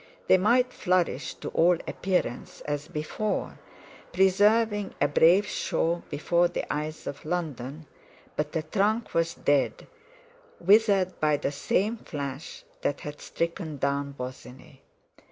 They might flourish to all appearance as before, preserving a brave show before the eyes of London, but the trunk was dead, withered by the same flash that had stricken down Bosinney.